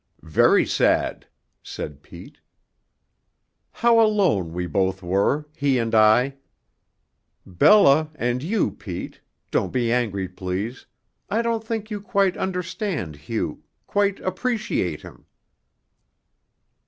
"Very sad," said Pete. "How alone we both are he and I! Bella, and you, Pete don't be angry, please I don't think you quite understand Hugh, quite appreciate him."